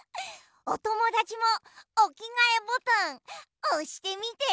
おともだちもおきがえボタンおしてみて。